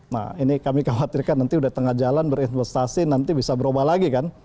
nah ini kami khawatirkan nanti udah tengah jalan berinvestasi nanti bisa berubah lagi kan